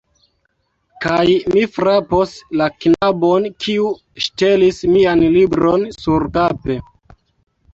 Kaj mi frapos la knabon kiu ŝtelis mian libron surkape